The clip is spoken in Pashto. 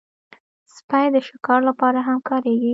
سپي د شکار لپاره هم کارېږي.